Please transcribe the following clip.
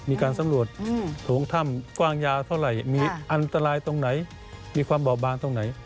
มีการสำรวจโถงถ้ำกว้างยาวเท่าไหร่มีอันตรายตรงไหนมีความบ่อบานตรงไหน